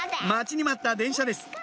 待ちに待った電車です